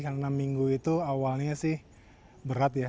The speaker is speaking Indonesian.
karena enam minggu itu awalnya sih berat ya